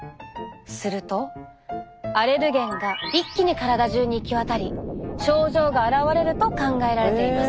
するとアレルゲンが一気に体中に行き渡り症状が現れると考えられています。